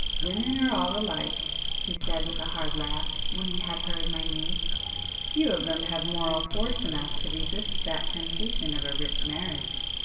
"Women are all alike,"—he said with a hard laugh, when he had heard my news,—"Few of them have moral force enough to resist that temptation of a rich marriage."